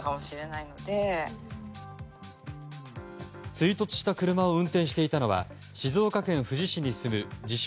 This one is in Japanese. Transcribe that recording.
追突した車を運転していたのは静岡県富士市に住む自称